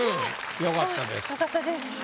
良かったです。